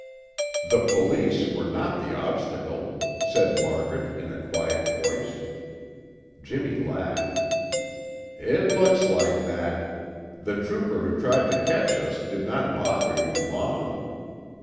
"The police were not the obstacle," said Margaret in a quiet voice. Jimmy laughed. "It looks like that; the trooper who tried to catch us did not bother you long.